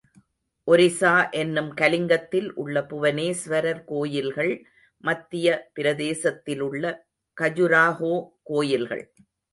ஒரிசா என்னும் கலிங்கத்தில் உள்ள புவனேஸ்வரர் கோயில்கள், மத்திய பிரதேசத்திலுள்ள கஜுராஹோ கோயில்கள்.